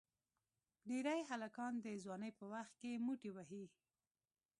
ډېری هلکان د ځوانی په وخت کې موټی وهي.